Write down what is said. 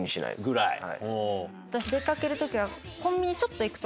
私出かける時は。